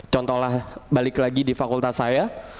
contohlah balik lagi di fakultas saya